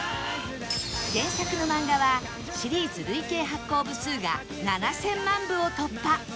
原作の漫画はシリーズ累計発行部数が７０００万部を突破